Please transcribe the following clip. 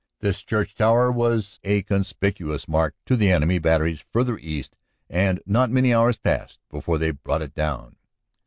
This church tower was a conspic uous mark to the enemy batteries further east and not many hours passed before they brought it down.